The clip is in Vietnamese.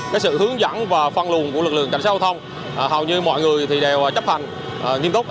cái sự hướng dẫn và phân luồn của lực lượng cảnh sát giao thông hầu như mọi người đều chấp hành nghiêm túc